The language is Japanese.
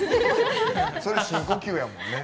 それ、深呼吸やもんね。